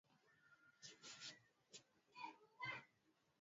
pamoja na majeshi kutoka Rwanda wamefanikiwa